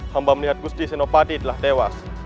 hamba melihat gusti sinopadi telah tewas